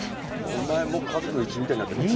お前もう家族の一員みたいになってるのか？